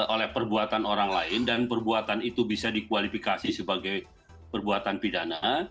oleh perbuatan orang lain dan perbuatan itu bisa dikualifikasi sebagai perbuatan pidana